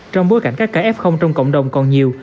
trong bối cảnh các ca f trong cộng đồng còn nhiều